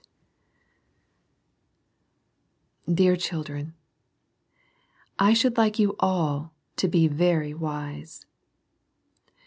IPVear Children, — I should like you all to be very wise.